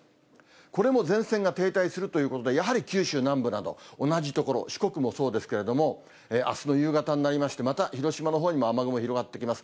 これも前線が停滞するということで、やはり九州南部など、同じ所、四国もそうですけれども、あすの夕方になりまして、また広島のほうにも雨雲広がってきます。